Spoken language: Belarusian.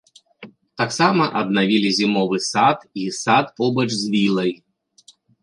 Таксама аднавілі зімовы сад і сад побач з вілай.